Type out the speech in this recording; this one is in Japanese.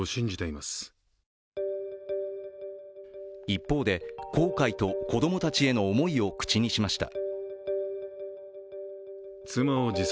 一方で後悔と子供たちへの思いを口にしました。